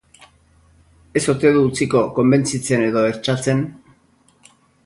Ez ote du utziko konbentzitzen edo hertsatzen?